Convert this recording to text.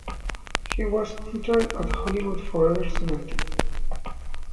He was interred at Hollywood Forever Cemetery.